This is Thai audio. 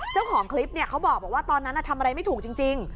เจ้าของคลิปเขาบอกว่าตอนนั้นทำอะไรไม่ถูกจริง